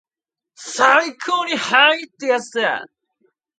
最高にハイ!ってやつだアアアアアアハハハハハハハハハハーッ